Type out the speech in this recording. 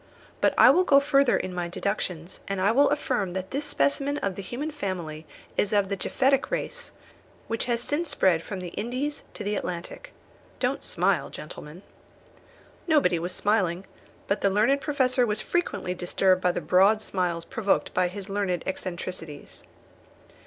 But I will go further in my deductions, and I will affirm that this specimen of the human family is of the Japhetic race, which has since spread from the Indies to the Atlantic. Don't smile, gentlemen." Nobody was smiling; but the learned Professor was frequently disturbed by the broad smiles provoked by his learned eccentricities.